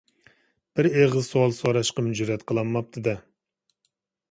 بىر ئېغىز سوئال سوراشقىمۇ جۈرئەت قىلالماپتۇ-دە.